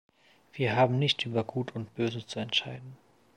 Wir haben nicht über Gut und Böse zu entscheiden.